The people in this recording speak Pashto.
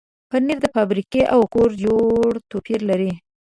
پنېر د فابریکې او کور جوړ توپیر لري.